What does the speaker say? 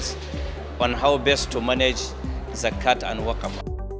tentang bagaimana terbaik untuk menguruskan zakat dan wakaf